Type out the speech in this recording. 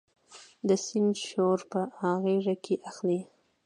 د سیند شور په غیږ کې اخلي